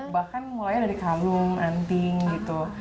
bahkan mulainya dari kabung anting gitu